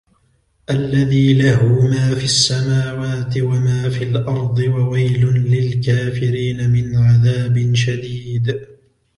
اللَّهِ الَّذِي لَهُ مَا فِي السَّمَاوَاتِ وَمَا فِي الْأَرْضِ وَوَيْلٌ لِلْكَافِرِينَ مِنْ عَذَابٍ شَدِيدٍ